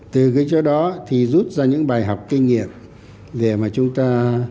từ cái chỗ đó thì rút ra những bài học kinh nghiệm để mà chúng ta